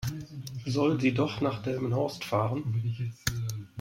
Soll sie doch nach Delmenhorst fahren?